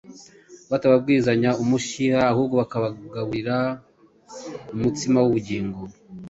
batababwizanya umushiha, ahubwo bakabagaburira umutsima w’ubugingo.